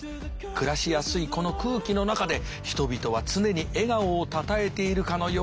暮らしやすいこの空気の中で人々は常に笑顔をたたえているかのようであります。